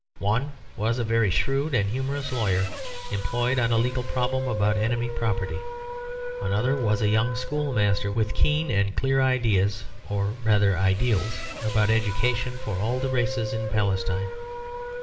One was a very shrewd and humorous lawyer employed on legal problems about enemy property, another was a young schoolmaster, with keen and clear ideas, or rather ideals, about education for all the races in Palestine.